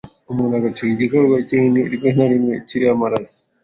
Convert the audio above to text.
umuntu agacira igikororwa kinini rimwe na rimwe kiriho amaraso.